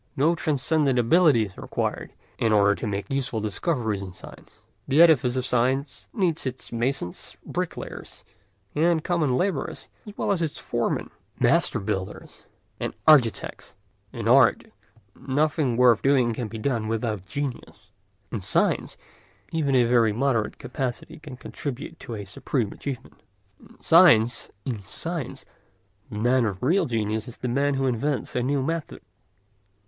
No transcendent ability is required in order to make useful discoveries in science; the edifice of science needs its masons, bricklayers, and common labourers as well as its foremen, master builders, and architects. In art nothing worth doing can be done without genius; in science even a very moderate capacity can contribute to a supreme achievement. In science the man of real genius is the man who invents a new method.